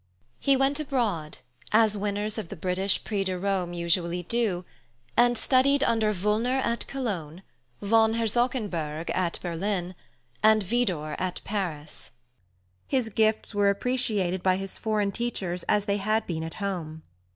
He went abroad as winners of the British Prix de Rome usually do and studied under Wüllner at Cologne, von Herzogenberg at Berlin, and Widor at Paris. His gifts were appreciated by his foreign teachers as they had been at home.